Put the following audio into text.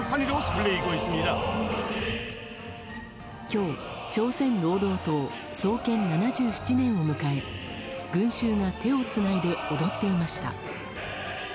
今日朝鮮労働党創建７７年を迎え群衆が手をつないで踊っていました。